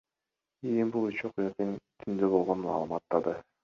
ИИМ бул үч окуя тең түндө болгонун маалымдады.